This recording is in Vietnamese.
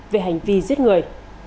về hành vi giết người